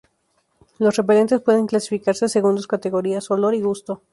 Los repelentes pueden clasificarse según dos categorías: olor y gusto.